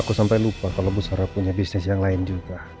aku sampai lupa kalau bu sarah punya bisnis yang lain juga